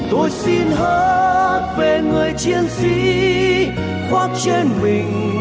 tôi xin hát về người chiến sĩ khoác trên mình màu áo trắng mờ lù